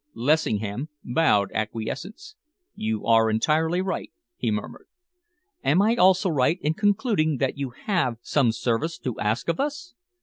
Lessingham bowed acquiescence. "You are entirely right," he murmured. "Am I also right in concluding that you have some service to ask of us?"